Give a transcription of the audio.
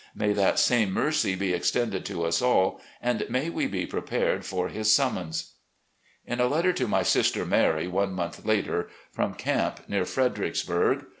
May that same mercy be extended to us aU, and may we be prepared for His siunmons." In a letter to my sister Mary, one month later, from "Camp near Fredericksburg": "...